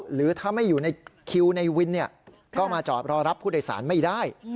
หรือถ้าไม่อยู่ในคิวในวินก็มาจอดรอรับผู้โดยสารไม่ได้